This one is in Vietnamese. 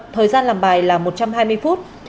thời gian làm bài là một trăm hai mươi phút